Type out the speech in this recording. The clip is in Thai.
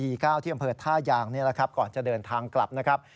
ที่อำเภอท่ายางนี่แหละครับก่อนจะเดินทางกลับนะครับ